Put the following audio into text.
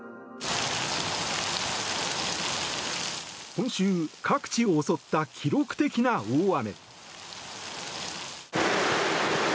今週、各地を襲った記録的な大雨。